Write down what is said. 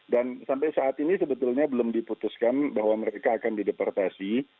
dan sampai saat ini sebetulnya belum diputuskan bahwa mereka akan dideportasi